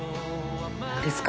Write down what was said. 何ですか？